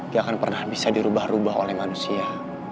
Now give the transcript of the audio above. gak akan pernah bisa dirubah rubah oleh manusia